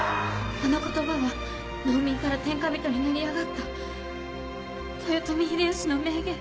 あの言葉は農民から天下人に成り上がった豊臣秀吉の名言。